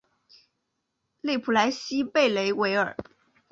勒普莱西贝勒维尔。